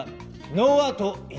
ノーアウト１塁。